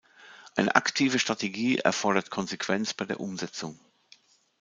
Eine aktive Strategie erfordert Konsequenz bei der Umsetzung.